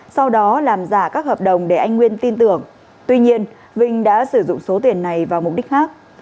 sau đó làm giả các hợp đồng để anh nguyên tin tưởng tuy nhiên vinh đã sử dụng số tiền này vào mục đích khác